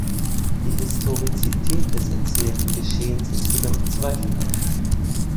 Die Historizität des erzählten Geschehens ist jedoch zweifelhaft.